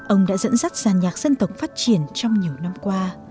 ông đã dẫn dắt giàn nhạc dân tộc phát triển trong nhiều năm qua